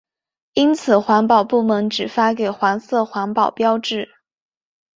因此环保部门只发给黄色环保标志。